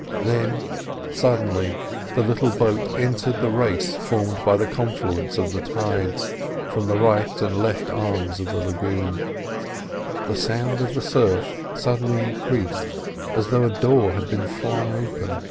Then, suddenly, the little boat entered the race formed by the confluence of the tides, from the right and left arms of the lagoon; the sound of the surf suddenly increased as though a door had been flung open.